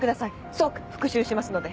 即復讐しますので。